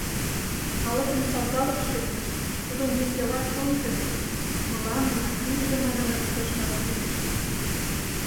— Калыкын тазалыкше верч, тудын весела чонжо верч мыланна лийже манынак тыршаш кӱлеш!